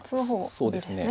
そうですね。